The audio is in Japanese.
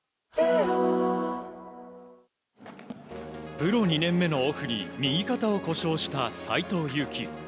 プロ２年目のオフに右肩を故障した斎藤佑樹。